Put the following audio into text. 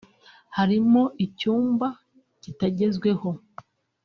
harimo icyumba kitagezweho